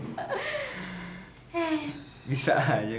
sekarang kamu minta aku senyum